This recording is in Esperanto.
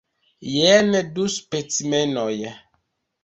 Jen du specimenoj.